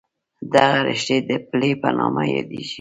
دغه رشتې د پلې په نامه یادېږي.